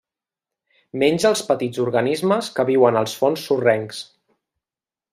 Menja els petits organismes que viuen als fons sorrencs.